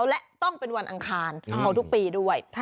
และต้องเป็นวันอังคารของทุกปีด้วย